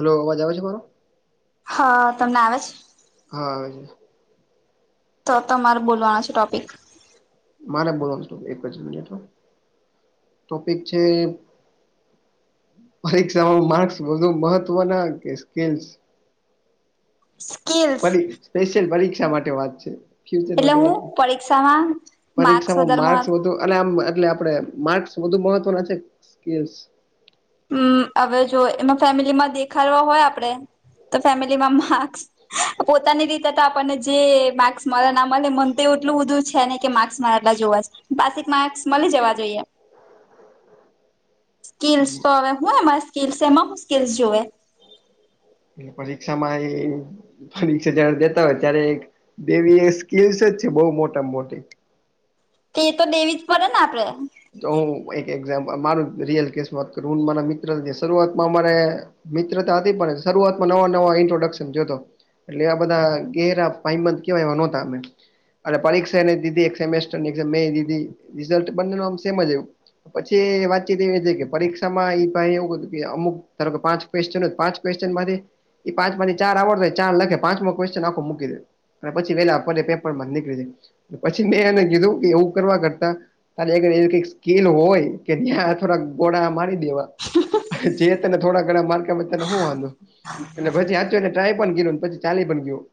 Hello અવાજ આવે છે, મારો? હ તમને આવે હ આવે છે. તો તમારે બોલવાનો છે, ટોપિક મારે બોલોનું હતું એક જ મિનિટ ટોપિક છે. પરીક્ષામાં માર્ક્સ વધુ મહત્વના કે સ્કીલસ સ્કીિલ પડી સ્પેશિયલ પરીક્ષા માટે વાત છે. ફ્યુચર એટલે માટે હું પરીક્ષામાં માર્ક્સ પરીક્ષામાં વધારમાં માર્ક્સ વધુ અને આમ એટલે આપડે માર્ક્સ વધું મહત્વના છે, કે સ્કિલ્સ હમ હવે જો એમાં ફેમિલીમાં દેખાડવા હોય આપડે તો ફેમિલીમાં માર્ક્સ પોતાની રીતે તો આપણને જે માર્ક્સ મલે ના મલે મન તો એ એટલું બધું છે નય કે મા ર્ક્સ એટલા જોવે છે, પાસિક માર્ક્સ મલી જવા જોઈએ સ્કીિલ્સ તો હવે હું એમાં સ્કીલ્સ એમાં હું સ્કીલસ જોવે એ પરીક્ષામાં એ પરીક્ષા જ્યારે દેતા હોય ત્યારે એક દેવી સ્કીલસ જ છે, બો મોટા મોટી તે તો દેવી જ પડે ને આપડે તો હું એક એક્ઝામપલ મારુ જ રીયલ કેસ વાત કરું હું ન મારા મિત્ર શરૂઆતમાં અમારે મિત્રતા હતી પણ શરૂઆતમાં નવા નવા ઇન્ટ્રોડક્શન જોતો એટલે આ બધા ઘેરા ભાઈબંધ કેવાય એવા નોતા અમે અને પરીક્ષાને દીધી સેમેસ્ટર મે દી રિઝલ્ટ બંને નું આમ સેમજ આયુ પછી વાતચીત એવી છે, કે પરીક્ષા માં એ ભાઈ એવું કીધુ કે અમુક ધારો કે પાંચ ક્વેસચન હોય પાંચ ક્વેસચન માંથી એ પાંચ માંથી ચાર આવડતા હોય ચાર લખે પાંચમાં ક્વેશ્ચન આખું મૂકી દે અને પછી વેલા અપરે પેપર માંથી નીકળી જાય પછી મેં એને કીધું કે એવું કરવા કરતા [unintelligible] એક સ્કીલ હોય કે ત્યાં થોડાક ગોળા મારી દેવા જે તને થોડા ઘણા માર્ક આપે તને હું વાંધો એટલે પછી હાચ્યું એને ટ્રાય પણ કયરું પછી ચાલી પણ ગયું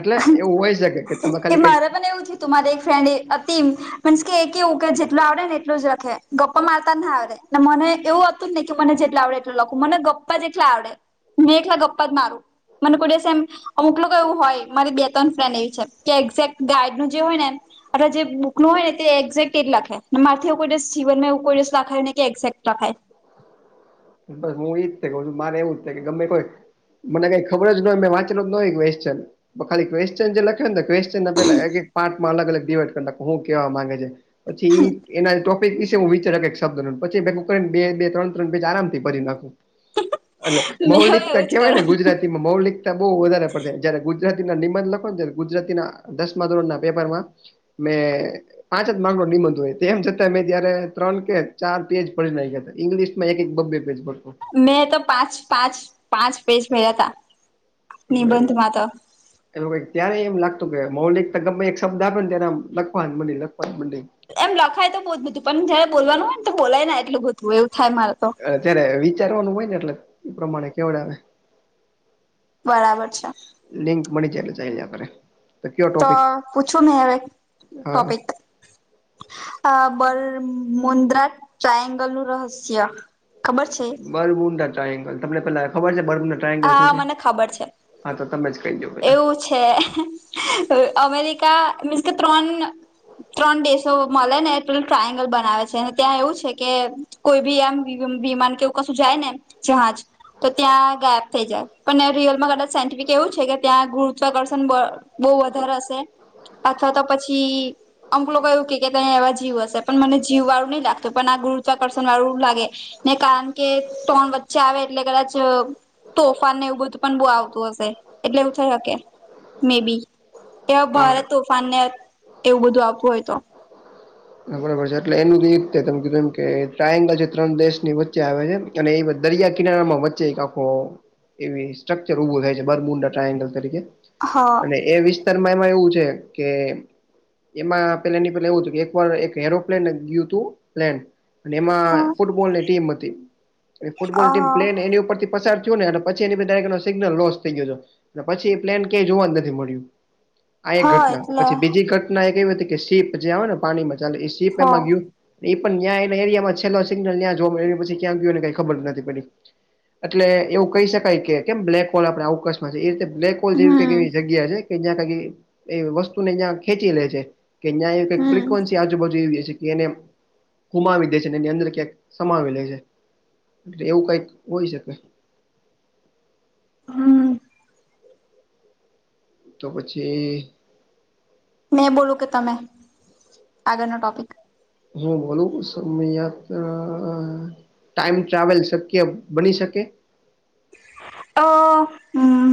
એટલે એવું હોય સકે એ મારે પણ એવું થયું તું મારે એક ફ્રેન્ડ અતિ મીન્સ કે એ કેવું કે જેટલું આવડે ને એટલું જ લખે ગપ્પા મારતા ના આવડે ને મને એવું હતું ને કે મને જેટલા આવડે એટલું લખું મને ગપ્પા જેટલા આવડે મેં એકલા ગપ્પા જ મારું મને કોઈ દિવસ એમ અમુક લોકો એવું હોય મારી બે ત્રણ ફ્રેન્ડ એવી છે. કે એક્ઝેક્ટ ગાઈડનું જે હોય ને અટલે જે બુક નું હોય ને તે એક્ઝેક્ટ એટ લખે. મારેથીવું કોઈ દિવસ જીવનમાં કોઈ દિવસ લખાય ને કે એક્ઝેક્ટ ન થાય, બસ હું ઈજ થાય કે છું, મારે એવું જ થાય કે ગમે કોઈ મને કંઈ ખબર જન હો મેં વાંચેલો જ ન હોય કવેશ્ચન. ખાલી ક્વેશ્ચન જે લખેને કવેશ્ચન ને પેલા એક એક પાર્ટમાં અલગ અલગ ડિવાઈડ કર નાખું હું કેવા માગે છે. જી. એના ટોપિક વિશે હું વિચાર એક એક શબ્દ ર પછી ભેગું કરી ને બે બે ત્રણ ત્રણ બે પેજ આરામથી ભરી નાખું. એટલે મેં મૌલિકતા એવું જ કેવાય ને કરો ગુજરાતી, મૌલિકતા બહુ વધારે પડે જયારે ગુજરાતીના નિબંધ લખોને ત્યારે ગુજરાતીના દસમા ધોરણ ના પેપરમાં મેં પાંચ જ માર્કનો નિબંધ તેમ છતાં મેં જયારે ત્રણ કે ચાર પેજ ભરી નાખયા હતા, ઇંગ્લિશ માં એક એક બ બે પેજ ભર. મેં તો પાંચ પાંચ પાંચ પેજ ભરાયાતા. એટલે એવું. [unintelligible] [inaudible] એ ત્યારે એમ લાગતું કે મૌલિક ગમે એક શબ્દ આપને ત્યારે લખવાને મંડી લખવાને મંડી, એમ લખાય તો બહુ જ બધું પણ જયારે બોલવાનું હોય નેતો બોલાય ને એટલું બધું એવું થાય મારે તો, અ ત્યારે વિચારવાનું હોય ને એટલે એ પ્રમાણે કેવડાવે. બરાબર છે, લિંક મળી જાય તો જાય આપણે. તો પૂછું ને હવે હા ટોપિક. આબન મુન્દ્રા ટ્રાયંગલ નું રહસ્ય ખબર છે, બરર્બુંડા ટ્રાયંગલ તમને પેલા ખબર છે, બરર્બુંડા ટ્રાયંગલ હા શું છે, મને ખબર છે હા તો. તમેજ કઈ દો પેલાં, એવું છે, અમેરિકા મીન્સ કે ત્રણ ત્રણ દેશો મળે ને એટલ ટ્રાયંગલ બનાવે છે, અને ત્યાં એવું છે, કે કોઈ ભી એમ વિ વિમાન કેવું કશું જાય ને એમ જહાજ, તો ત્યાં ગેપ થઈ જાય પણ રિયલમાં કદાચ સાયન્ટિફિક એવું છે, કે ત્યાં ગુરુત્વાકર્ષણ બળ બહુ વધારે હશે, અથવા તો પછી અમૂક લોકો એવું કહે કે એવા જીવ હશે પણ મને જીવ વાળું નહીં લાગતું પણ આ ગુરત્વાકર્ષણ વાળું એવું લાગે, ને કારણ કે ટ્રણ વચ્ચે આવે એટલે કદાચ તોફાન ને એવું બધું પણ બહુ આવતું હશે. એટલે એવું થઈ હકે મે ભી એ ભારત હા તોફાનને એવું બધું આપવું હોય તો, બરોબર છે, એટલે એનું એ રીતે તમે કીધું એમ કે ટ્રાયંગલ છે, ત્રણ દેશ ની વચ્ચે આવે છે. અને એ દરિયા કિનારામાં વચ્ચે એક આખો એવી સ્ટ્રકચર ઊભું થાય છે, બરમુંડા ટ્રાયંગલ તરીકે હા અને એ વિસ્તારમાં એમાં એવું છે, કે એમાં પેલા ની બદલે એવું છે, કે. ઉપર એક એરોપ્લેન ગયું હતું, પ્લેન અને એમાં ફૂટબોલની ટીમ હતી, ફૂટબોલની ટીમ હા પ્લેન એની ઉપરથી પસાર થયો એને પછી ની બધી સિગ્નલ લોસ થઈ ગયો તો. પછી એ પ્લેન ક્યાંય જોવા જ નથી મળ્યું આ એક હા ઘટના એટલે પછી બીજી ઘટના ના કેવુ હતુ કી સીપ જે હોને પાણીમાં ચાલેએ સીપ હો એમાં ગયું, એ પણ ન્યા એના એરિયામાં છેલ્લો સિગ્નલ ન્યા જોવા મળ પછી ક્યાં ગયોને કંઈ ખબર નથી પડી. એટલે એવું કહી શકાય કે કેમ બ્લેક હોલ આપડે અવકાશમાં છે, એ રીતે બ્લેક હોલ જેવી કંઈક હમ એવી જગ્યા છે. કે જ્યાં કંઈ એ વસ્તુને જ્યાં ખેંચી લે છે, કે જ્યાં એ કંઈ, હમ ફ્રિકવન્સી આજુબાજુ એવી છે, કે એને ગુમાવી દે છે, એની અંદર ક્યાંક સમાવી લે છે. એટલે એવું કંઈક હોય શકે હ તો પછી મેં બોલું કે તમે આગળનો ટોપિક હે બોલુ ક સમેયાત ટાઈમ ટ્રાવેલ શક્ય બની શકે? અ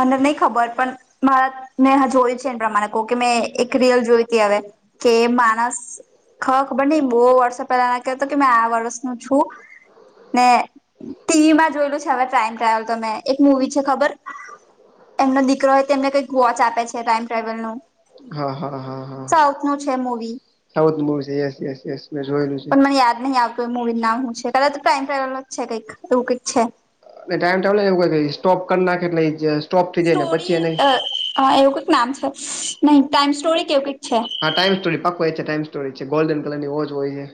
મને નહી ખબર પણ મારા ને જોય છે, એને પ્રમાણે કો કે મેં એક રિયલ જોઈતી હવે કે માણસ ખ ખબર નઈ બો વર્ષો પહેલાના કહેતો કે મેં આ વર્ષનું છું ને ટીવીમાં જોયેલું છે, હવે ટાઈમ ટ્રાવેલ તો તમે એક મુવી છે, ખબર? એમનો દીકરો હોય તો એમને કંઈક વોચ આપે છે, ટાઈમ ટ્રાવેલનું હ હ હ હ હાહ મૂવી સાઉથ મુવી છે, યસ યસ યસ મે જોયેલું છે. પણ મને યાદ નહીં આવ તો મુવી નામ હું છે, કદાચ તો ટાઈમ ટ્રાઈવલ જ છે, કંઈક એવું કંઈક છે. અને ટાઈમ એવું સ્ટોપ કર નાખે એટલે ઈજ સ્ટોપ થઈ જાય ને પછી એને હ એવું કઈક નામ છે, નહી ટાઈમ સ્ટોરી કે એવું કઈક છે. હા ટાઈમ સ્ટોરી પાકકુ એ જ છે, ટાઈમ સોરી છે, ગલ્ડનલરની વોચ હોય છે.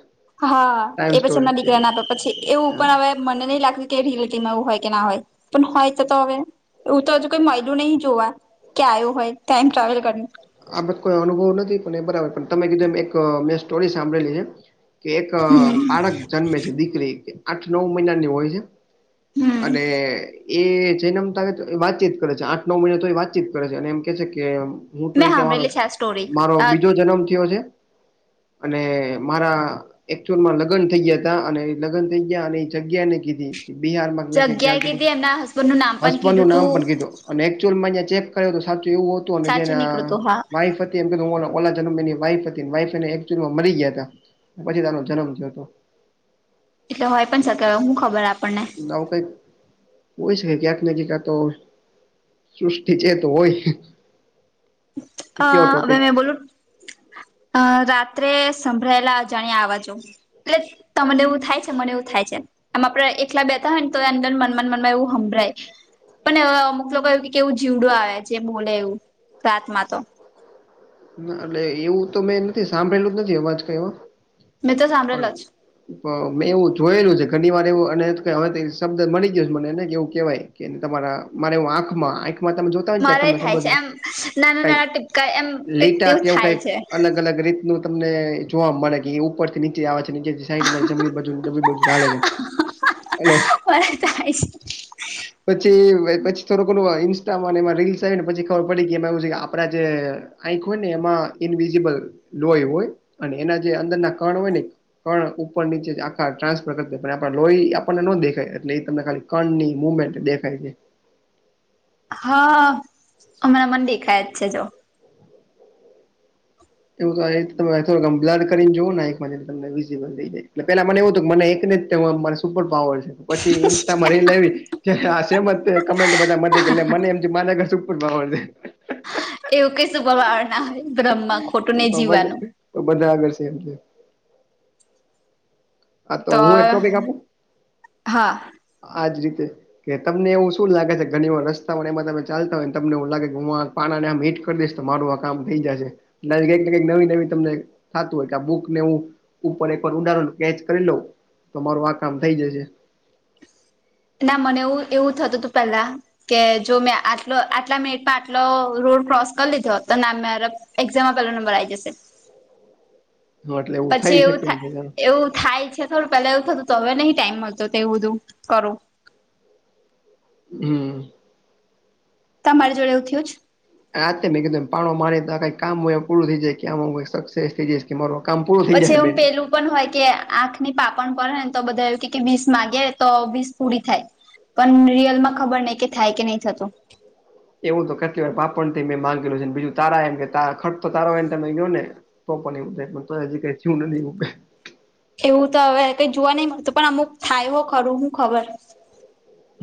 હા ટાઈમ એ પછી સ્ટોરી એમના છે દીકરાને ભાઈ. આપે પછી એવું હા પણ હવે મને નહી લાગતું કે રીલેટીમાં એવું હોય કે ના હોય પણ હોય તો તો હવે એવું તો હજુ કોઈ મયલું નહી જોવા કે આવ્યું હોય ટાઈમ ટ્રાવેલ કર આ બ કોઈ અનુભવ નથી પણ એ બરાબર પણ તમે કીધું એક મેં સ્ટોરી સાંભળેલી છે. કે એક હમ બાળક જન્મે છે, દીકરી આઠ નવ મહિનાની હોય છે. હમ અને એ [unintelligible] તો વાતચીત કરે છે, આઠ નવ મહિના તો એ વાતચીત કરે છે, અને એમ કે છે, કે હું તો મેં એ કે મારો સાંભળેલી છે આ સ્ટોરી મારો બીજો જન્મ થયો છે. અને મારા એકચુઅલમાં લગન ગયા હતા અને એ લગ્ન થઈ ગયા અને એ જગ્યા નય કીધી બિહારમાં જગ્યાએ કીધી એમના હસબન્ડ નું નામ [unintelligible] પણ હસબડનું કીધું નામ પણ તું કીધું અને એકચુઅલમાં અયા ચેક કર્યો સાચું એવું હતું અને સાચું જેના નીકળું તું હા વાઈફ હ [unintelligible] ઓલા ઓલા જનમા એની વાઈફ હતી વાઈફ એની એકચુઅલમાં મરી ગયાતા પછી તાનો જન્મ થયોતો એટલે હોય પણ સકે હું ખબર આપણને નવ કઈક હોય શકે ક્યાંક [unintelligible] તો સૃષ્ટિ છે, તો હોય અ કેવો હવે ટોપિક મેં બોલું અ રાત્રે સંભળાયેલા અજાણ્યા આવાજો એટલે તમને એવું થાય છે, મને એવું થાય છે. એમ આપડે એકલા બેતા હોય ને તો અંદર મનમાન મનમા એવું હભળાય પણ અમુક લોકો એવુ કે કેવું જીવડું આવે જે બોલે એવું રાતમાંતો એટલે એવું તો મેં નથી સાંભળેલું જ નથી અવાજ કયો મેં તો સાંભળેલો પણ જ પ મેં એવું જોયેલું છે, ઘણી વાર એવું અને હવે શબ્દ મળી ગયો છે, મને કે એવું કહેવાય [unintelligible] તમારા મારે એવુ આખમા આંખમાં આંખમાં તમે જો મારેય થાય છે, એમ નાના નાના ટીપકા એમ કઈક લીટા તેવુ કેવું થાય કઈક છે. અલગ અલગ રીતનું તમને જોવા મળે કે એ ઉપર થી નીચે આવે છે, નીચે સાઇડ મા જમણી [unintelligible] ચાલે છે અને મને થાય [unintelligible] પછી પછી થોડુંકોણું ઈન્સ્ટામાં એમાં રીલ્સ આવી ને પછી ખબર પડી કે એમાં એવું છે કે આપડા જે આંખ હોય ને એમાં ઈનવિઝિબલ લોય હોય અને એના જે અંદરના કણ હોય ને પણ ઉપર નીચે આખા ટ્રાન્સફર કર આપ લોહી આપણને નો દેખાય એટલે એ તમને ખાલી કણની મુમેન્ટ દેખાય છે. હા હમણાં મને દેખાય જ છે જો એવું તો તમે થોડુંમ બડ કરીને જ એક ત વિઝબલઈ જાય એટલે પેલા મને એવું હતું મને એકને મારે સુપર પાવર છે પછી ઇન્સ્ટામાં રીલ આવી ગઈ આ સેમત કમેન્ટ બધા મ કેટલે મને એમ મારા ઘર સુપર પાવર છે. એવું કઇ સુપર પાવર ના હોય બ્રહ્માં ખોટું નહીં જીવવાનું તો બધા આગળ છે એમ કે આા તો હું એક ટોપિક આપું હા આજ રીતે કે તમને એવું શું લાગે છે ઘણી વાર રસ્તા ઓ એમાં તમે ચાલતા હોયને તમને એવું લાગે ગુમાવ પાણાને આમ હીટ કરી દઈશ તો તમારું આ કામ થઈ જશે ન કઈક ને કઈક નવી નવી તમને થતું હોય કે આ બુક ને હું ઉપર એક વાર ઉંડારુ ન કેચ કરી લઉ તો મારું આ કામ થઈ જશે ના મને એવું એવું થતું તું પેલા કે જો મેં આટલો આટલા મિનિટમાં આટલો રોડ ક્રોસ કરી લીધો હતો ના મે એક્ઝામમા પેહલો નંબર આઈ જસે હા એટલે પછી થઈ એવું શકે એમ થાય છે એવું થાય છે. થોડું પેલા એવું થતું તો હવે નહી ટાઈમ મળતો તો એવું બધું કરું હમ તમારી જોડે એવું થયું છે. હાતે મેં કીધું પણ મારી કંઈક કામ હોય પુરુ થઈ જાય કે સક્સેસ થઈ જઈશ કે મારું આ કામ પુરુ પછી એવુ પેલું પણ હોય કે આંખની પાપણ પરેને તો બધા એવું કે કે વીસ માંગે તો વીસ પૂરી થાય પણ રિયલ માં ખબર નહી કે થાય કે નહી થતું એવું તો કરતી વાર પાપણ થી મેં માંગેલ છેને બીજું તારા એમ કે ત ખરજો તો તારો એને તમે ગયો ને તો પણ એવું થાય તો હજી કઈ થયું નથી અ કે એવું તો હવે કઈ જોવા નઈ મળતું પણ અમુક થાય હો ખરું હું ખબર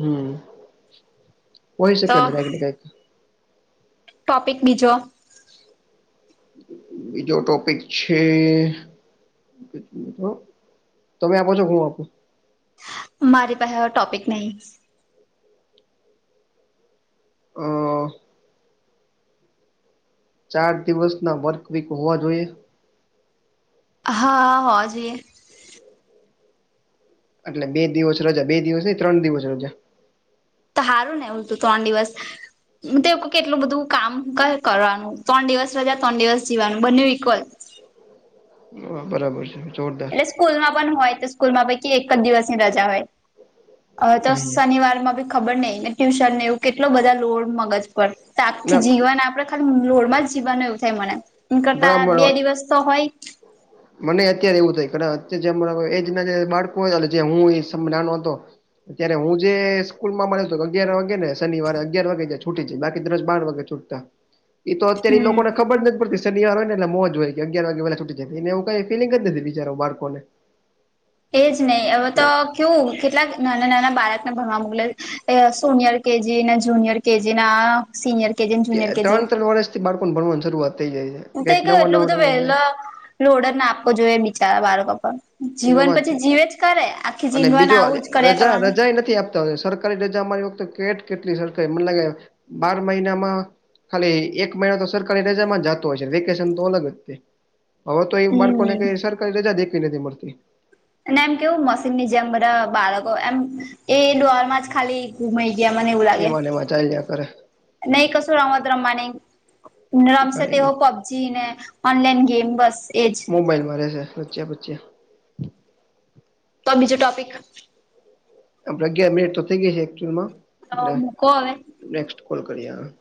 હમ હોય શકે તો કઈક ને કઈક ટોપિક બીજો બીજો ટોપિક છે. તમે આપો છો હું આપો મારી પાસે હવે ટોપિક નહી હ ચાર દિવસ ના વર્ક વીક હોવા જોઈએ હા હોવા જોઈએ એટલે બે દિવસ રજા બે દિવસ ત્રણ દિવસ રજા તો સારું ને હું તું ત્રણ દિવસ હ તો કેટલું બધું કામ કરવાનું ત્રણ દિવસ રજા ત્રણ દિવસ જીવાનું બને ઇક્વલ એટલે હ બરાબર છે જોરદાર સ્કૂલમાં પણ હોય તો સ્કૂલ માં પૈહી કૈવી એક જ દિવસની રજા હોય તો હમ શનિવારમા ભી ખબર નહીં ને ટ્યુશન ને એવું કેટલો બધા લોડ મગજ પર તો આખી ના જીવન આપડે ખાલી લોરમાં જીવાનું એવું થાય મને, એમ કરતા બે બરાબર દિવસ તો હોય. મને અત્યારે એવું થાય કારણ અત જે એજ ના જે બાળકો જે હું એ સમ નાનો હતો. અત્યારે હું જે સ્કૂલ માં મળ્યો હતો અગયાર વાગે ને શનવારે અગિયાર વાગે છૂટી જાય બાકી દરસ બાર વાગે છૂટતા. [inaudible] એ તો અત્યારે એ હમ લોકોને ખબર જ પડતી શનવાર હોય નેટલે મોજ હોય કે અગયાર વાગે પેલા છૂટી જાય. એને એવું કઈ ફિલિંગ જ નથી બિચારો બાળકો ને. એ જ નહીં હવે તો કેવું કેટલાક નાના નાના બાળકને ભણવા મોકલે, સોનિયર કેજીને જુનિયર કેજી ના. સિનિયર કેજી અને જુનિયર કેજી. બાળકોણ ભણવાની શરૂઆત થઈ જાય છે. ત કઈક કું નવા એટલું નવા બધું નવું વહેલો, લોડર ના આપવો જોઈએ બિચારા બાળકો પણ. એ તો જીવન વાત પછી છે જીવે જ કરે આખી અને જીણવાનું બીજો આવું જ કર્યા રજા કરવાનું. રજા નથી આપતા સરકારી રજા મારી વખતે કેટ કેટલી સરકારી મને લાગે બાર મહિનામાં. ખાલી એક મહિના તો સરકારી રજા માં જતો હોય છે વેકેશન તો અલગ જ. હવે તો એ માળકો ને હમ કઈ સરકારી રજા દેખવી નથી મળતી. અને એમ કેવું મશીન ની જેમ બધા બાળકો એમ એ ડર માં જ ખાલી ખ મં ગયા એમાંને એવું લાગે. વાચાલ જયા કરે. નહી કશું રમત રમાની, રમશે કઈ તે હો નઈ પબજી ને. ઓનલાઈન ગેમ બસ એજ. મોબાઈલ મારે છે બચ બચ્ચ્યા. તો આ બીજું ટોપિક. પ્રગા મ મેિટ તો થઈ ગઈ છે એકચુઅલમાં. તો એટલે મૂકો હવે. નેક્સ્ટ કોલ કરી.